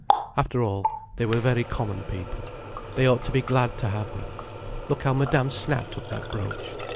After all, they were very common people. They ought to be glad to have her. Look how Madame snapped up that brooch!